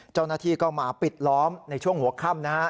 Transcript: เจ้าหน้าที่ก็มาปิดล้อมในช่วงหัวค่ำนะฮะ